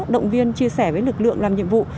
động viên chia sẻ với lực lượng làm nhiệm vụ